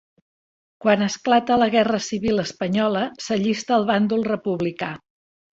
Quan esclata la Guerra Civil espanyola s'allista al bàndol republicà.